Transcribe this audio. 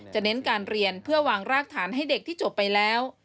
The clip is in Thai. เน้นการเรียนเพื่อวางรากฐานให้เด็กที่จบไปแล้ว